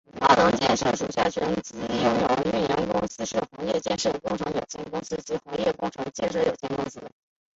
澳能建设的属下全资拥有营运公司是鸿业建筑工程有限公司及新鸿业工程建筑有限公司。